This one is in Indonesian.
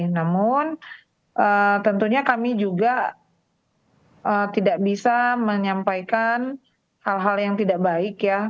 namun tentunya kami juga tidak bisa menyampaikan hal hal yang tidak baik ya